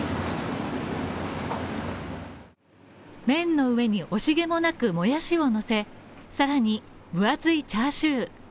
麺の上に惜しげもなく、もやしをのせ、さらに分厚いチャーシュー。